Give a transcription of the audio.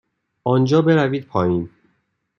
آنجا بروید پایین.